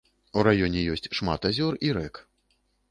У раёне ёсць шмат азёр і рэк.